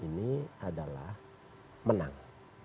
ini adalah menang